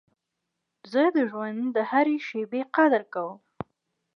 زه د ژوند د هري شېبې قدر کوم.